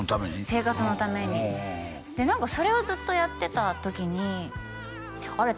生活のために何かそれをずっとやってた時にあれ？